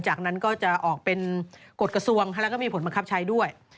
จากนั้นก็จะออกเป็นกฎกระทรวงแล้วก็มีผลบังคับใช้ด้วย